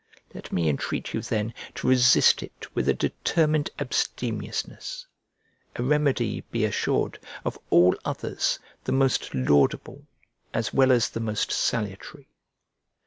Let me entreat you then to resist it with a determined abstemiousness: a remedy, be assured, of all others the most laudable as well as the most salutary.